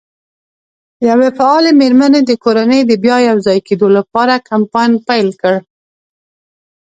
یوه فعالې مېرمن د کورنۍ د بیا یو ځای کولو لپاره کمپاین پیل کړ.